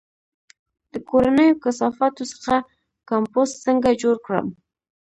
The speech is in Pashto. د کورنیو کثافاتو څخه کمپوسټ څنګه جوړ کړم؟